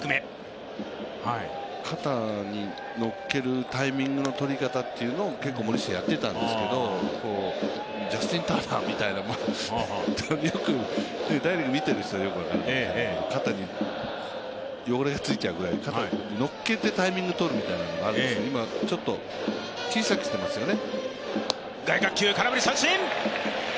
肩にのっけるタイミングというのを結構森下はやってたんですけどジャスティン・ターナーみたいな大リーグを見ている人はよく分かると思いますが、肩に汚れがついちゃうみたいな、肩にのっけてタイミングとるみたいな、今、ちょっと小さくしてますよね。